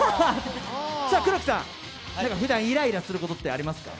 さあ、黒木さん、ふだんイライラすることってありますか？